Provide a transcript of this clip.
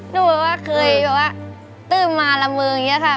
หนูแบบว่าเคยถือมาระเมิงอย่างนี้ค่ะ